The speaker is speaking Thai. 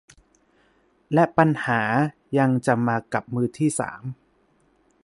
และปัญหายังจะมากับมือที่สาม